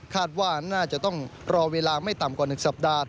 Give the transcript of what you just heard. ว่าน่าจะต้องรอเวลาไม่ต่ำกว่า๑สัปดาห์